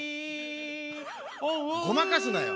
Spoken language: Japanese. ごまかすなよ。